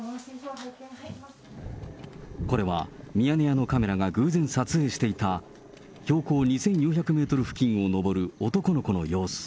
これはミヤネ屋のカメラが偶然撮影していた、標高２４００メートル付近を登る男の子の様子。